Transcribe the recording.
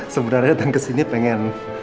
sebenarnya datang kesini pengen